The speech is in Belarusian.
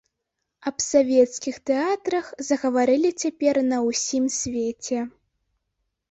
Аб савецкіх тэатрах загаварылі цяпер на ўсім свеце.